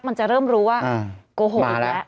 มันจะเริ่มรู้ว่าโกหกอีกแล้ว